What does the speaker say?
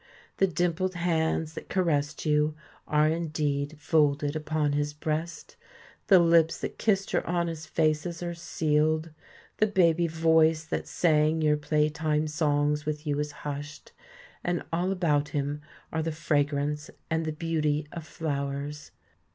The dimpled hands that caressed you are indeed folded upon his breast; the lips that kissed your honest faces are sealed; the baby voice that sang your playtime songs with you is hushed, and all about him are the fragrance and the beauty of flowers.